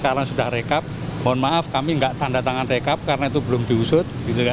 karena sudah rekap mohon maaf kami tidak tanda tangan rekap karena itu belum diusut